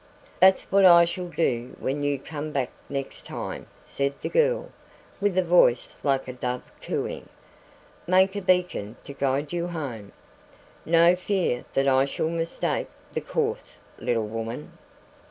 "That's what I shall do when you come back next time," said the girl, with a voice like a dove cooing. "Make a beacon to guide you home." "No fear that I shall mistake the course, little woman."